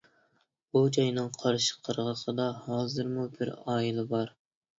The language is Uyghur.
بۇ جاينىڭ قارشى قىرغىقىدا ھازىرمۇ بىر ئائىلە بار.